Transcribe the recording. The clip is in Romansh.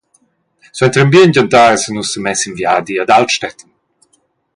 Suenter in bien gentar essan nus semess sin viadi ad Altstätten.